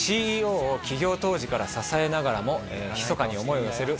ＣＥＯを起業当時から支えながらもひそかに思いを寄せる